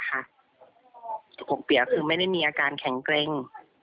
หกเปียกคือไม่ได้มีอาการแข็งเกร็ง